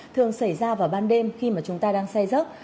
thường xảy ra vào ban đêm khi mà chúng ta đang say giấc